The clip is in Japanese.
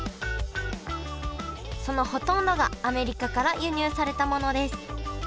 そのほとんどがアメリカから輸入されたものです